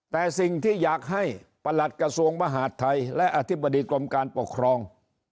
แต่สิ่งที่อยากให้ประหลัดกระทรวงมหาดไทยและอธิบดีกรมการปกครอง